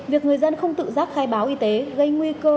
việc người dân không tự giác khai báo y tế gây nguy cơ